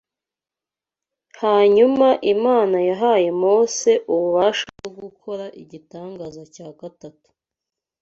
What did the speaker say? Hanyuma Imana yahaye Mose ububasha bwo gukora igitangaza cya gatatu